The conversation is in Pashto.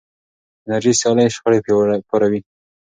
انرژي سیالۍ شخړې پاروي.